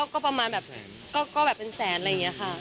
ก็ประมาณแบบก็แบบเป็นแสนอะไรอย่างนี้ค่ะ